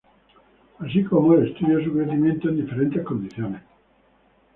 Así como, el estudio de su crecimiento en diferentes condiciones.